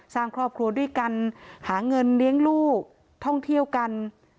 สร้างครอบครัวด้วยกันหาเงินเลี้ยงลูกท่องเที่ยวกัน